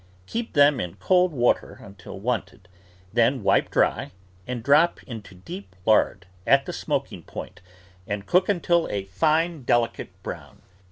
Keep them in cold water until wanted, then wipe dry and drop into deep lard at the smoking point, and cook until a fine, delicate brown.